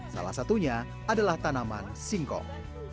salah satunya adalah tanaman singkong